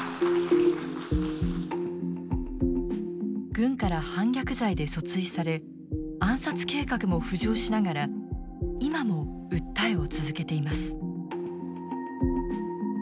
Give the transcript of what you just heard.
軍から反逆罪で訴追され暗殺計画も浮上しながら今も訴えを続けています。